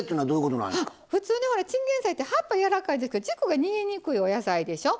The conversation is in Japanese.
普通ねチンゲン菜って葉っぱ柔らかいですけど軸が煮えにくいお野菜でしょ。